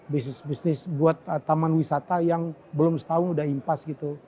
bisnis bisnis buat taman wisata yang belum setahun sudah impas gitu